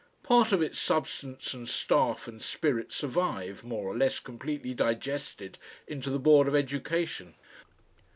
Part of its substance and staff and spirit survive, more or less completely digested into the Board of Education.